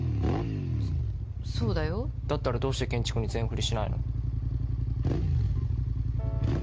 そっそうだよだったらどうして建築に全フリしないの？